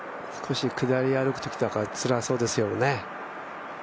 少し下りを歩くときとかつらそうですよね。